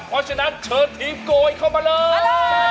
เพราะฉะนั้นเชิญทีมโกยเข้ามาเลย